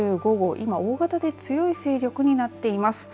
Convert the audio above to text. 今、大型で強い勢力になっています。